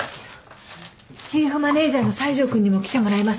チーフマネジャーの西條君にも来てもらいます。